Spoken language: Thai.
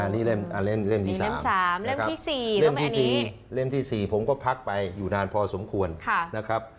นี่เล่มที่๓๓เล่มที่๔เล่มที่๔เล่มที่๔ผมก็พักไปอยู่นานพอสมควรนะครับ